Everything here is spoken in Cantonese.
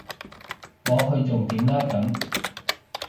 我去重點啦咁